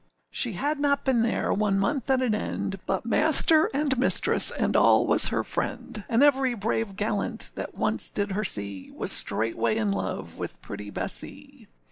She had not been there one month at an end, But master and mistress and all was her friend: And every brave gallant that once did her see, Was straightway in love with pretty Bessee.